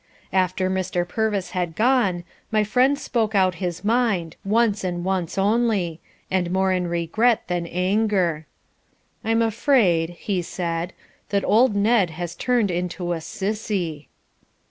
After Mr. Purvis had gone, my friend spoke out his mind once and once only, and more in regret than anger. "I'm afraid," he said, "that old Ned has turned into a SISSY."